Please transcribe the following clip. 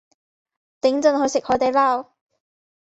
等陣去食海地撈